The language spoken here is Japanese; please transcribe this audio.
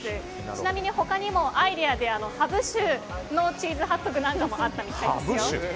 ちなみに他にもアイデアでハブ酒のチーズハットグなんかもあったみたいですよ。